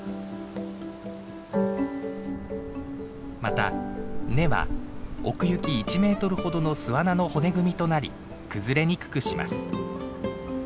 また根は奥行き１メートルほどの巣穴の骨組みとなり崩れにくくします。